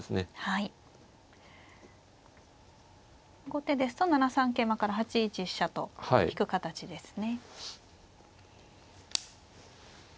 後手ですと７三桂馬から８一飛車と引く形ですね。